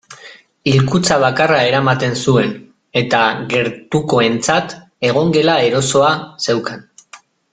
Hilkutxa bakarra eramaten zuen eta gertukoentzat egongela erosoa zeukan.